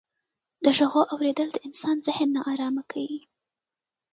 د ږغو اورېدل د انسان ذهن ناآرامه کيي.